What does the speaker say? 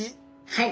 「はい」。